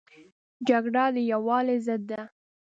جګړه د یووالي ضد ده